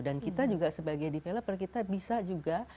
dan kita juga sebagai developer kita bisa juga